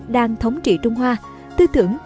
đang thống trị trung hoa tư tưởng